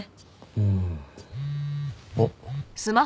うん。おっ。